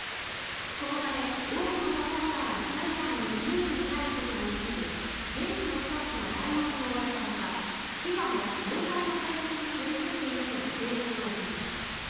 このため多くのサポーターがスタジアムにスムーズに入ることができず現地のスタッフが対応に追われたほかＦＩＦＡも問題の解決に取り組んでいるとの声明を出しました。